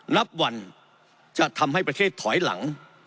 นับวันจะทำให้ประเทศถอยหลัง